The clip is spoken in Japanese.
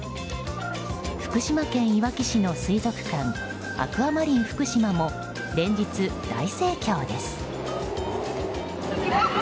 福島県いわき市の水族館アクアマリンふくしまも連日、大盛況です。